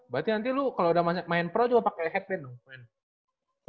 berarti nanti lo kalo udah main pro juga pake headband dong